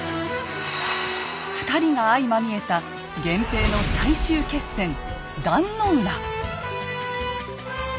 ２人が相まみえた源平の最終決戦壇の浦。